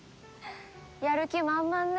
やる気満々ね。